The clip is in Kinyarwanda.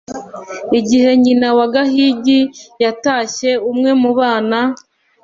igihe nyina wa gahigi yatashye, umwe mu bana